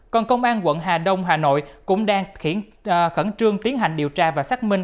còn công an quận hà đông hà nội cũng đang khẩn trương tiến hành điều tra và xác minh